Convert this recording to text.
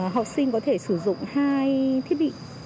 học sinh có thể sử dụng hai thiết bị